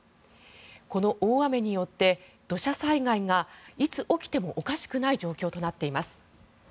この大雨によって土砂災害がいつ起きてもおかしくない状況となっています。